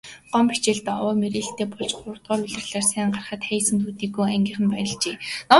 Гомбо хичээлдээ овоо мэрийлттэй болж гуравдугаар улирлаар сайн гарахад Хайнзан төдийгүй ангийнхан нь баярлажээ.